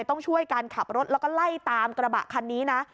ต้องช่วยการขับรถแล้วก็ไล่ตามกระบะคันนี้นะ